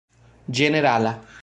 ĝenerala